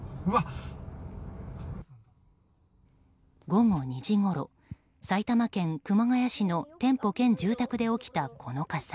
午後２時ごろ、埼玉県熊谷市の店舗兼住宅で起きた、この火災。